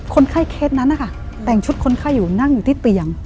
คนไข้เคสนั้นนะคะแต่งชุดคนไข้อยู่นั่งอยู่ที่เตียง